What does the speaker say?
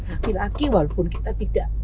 laki laki walaupun kita tidak